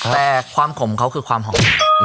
แต่ความขมเขาคือความหอม